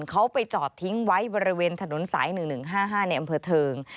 เขาไปจอดทิ้งไว้บริเวณถนนสาย๑๑๕๕ในอำเภอเทิง